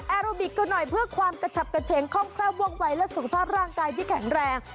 อาโรบิกกันหน่อยเพื่อความกระฉับกระเฉงคล่องแคล่วว่องวัยและสุขภาพร่างกายที่แข็งแรง